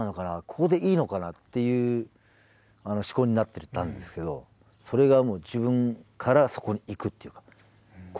ここでいいのかなっていう思考になってたんですけどそれが自分からそこに行くっていうか